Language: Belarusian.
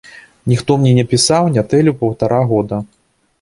Ніхто мне не пісаў, не тэліў паўтара года.